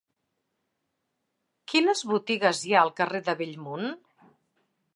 Quines botigues hi ha al carrer de Bellmunt?